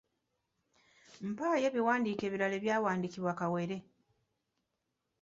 Mpaayo ebiwandiiko ebirala ebyawandiikibwa Kawere?